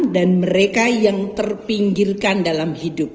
dan mereka yang terpinggirkan dalam hidup